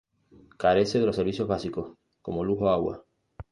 Carece de servicios básicos, como luz o agua.